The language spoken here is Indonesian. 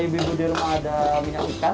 ibu ibu di rumah ada minyak ikan